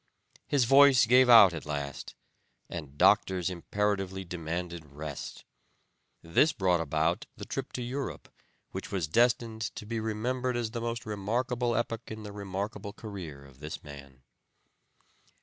His voice gave out at last, and doctors imperatively demanded rest. This brought about the trip to Europe which was destined to be remembered as the most remarkable epoch in the remarkable career of this man.